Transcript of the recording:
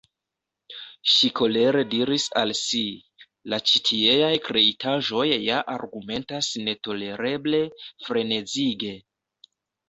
Ŝi kolere diris al si: "La ĉitieaj kreitaĵoj ja argumentas netolereble, frenezige."